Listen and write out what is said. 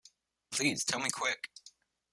Please tell me quick!